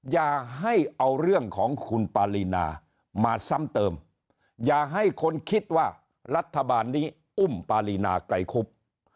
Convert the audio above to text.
อย่าให้เอาเรื่องของคุณปารีนามาซ้ำเติมอย่าให้คนคิดว่ารัฐบาลนี้อุ้มปารีนาไกรคุบ